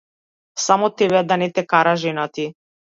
Само тебе да не те кара жена ти.